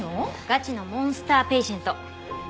ガチのモンスターペイシェント。